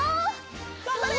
がんばれ！